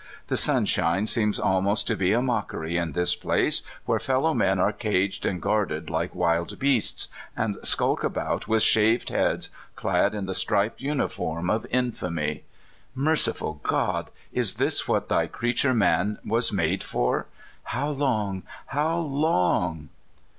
The sunshine seems almost to be a mockery in this place where fellow men are caged and guarded like wild beasts, and skulk about with shaved heads, clad in the striped uniform of infamy. Merciful God ! is this what th}^ creature man was made for? How long, how long?